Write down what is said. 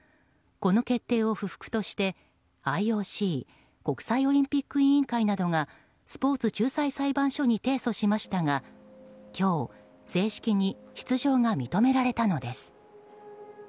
この決定を不服としてＩＯＣ・国際オリンピック委員会などがスポーツ仲裁裁判所に提訴しましたが今日正式に出場が認められたのです。